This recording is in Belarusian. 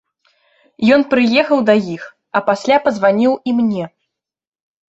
Ён прыехаў да іх, а пасля пазваніў і мне.